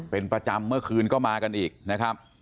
เป็นประจำเมื่อคืนก็มากันอีกนะครับ